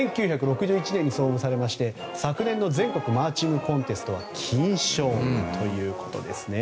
１９６１年に創部され昨年の全国マーチングコンテストは金賞ということです。